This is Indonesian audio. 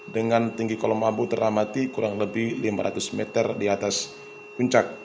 dengan tinggi kolom abu teramati kurang lebih lima ratus meter di atas puncak